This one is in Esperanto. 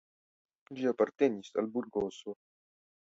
Ĝi apartenis al Burgoso.